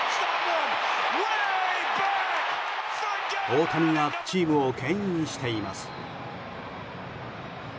大谷がチームを牽引しています。